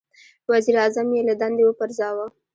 • وزیر اعظم یې له دندې وپرځاوه.